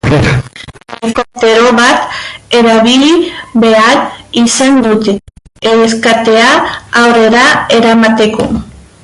Helikoptero bat erabili behar izan dute erreskatea aurrera eramateko.